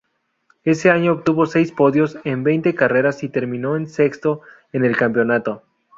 Ese año obtuvo seis podios en veinte carreras, y terminó sexto en el campeonato.